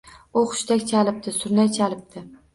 U hushtak chalibdi, surnay chalibdi